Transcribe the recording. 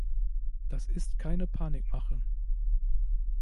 Das ist keine Panikmache.